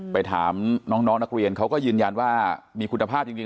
ไปถามน้องนักเรียนเขาก็ยืนยันว่ามีคุณภาพจริง